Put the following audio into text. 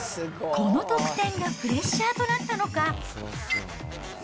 この得点がプレッシャーとなったのか。